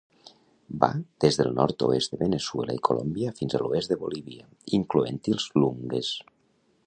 Va des del nord-oest de Venezuela i Colombia fins a l'oest de Bolivia, incloent-hi els Iungues.